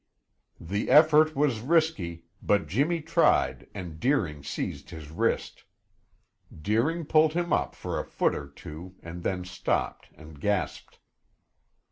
The effort was risky, but Jimmy tried and Deering seized his wrist. Deering pulled him up for a foot or two, and then stopped and gasped.